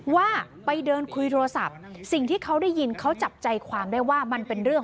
ว่าไปเดินคุยโทรศัพท์สิ่งที่เขาได้ยินเขาจับใจความได้ว่า